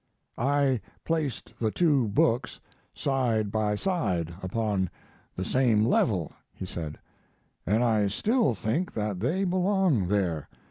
"I placed the two books side by side upon the same level," he said, "and I still think that they belong there.